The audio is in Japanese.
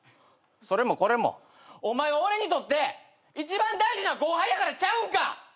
それもこれもお前は俺にとって一番大事な後輩やからちゃうんか！？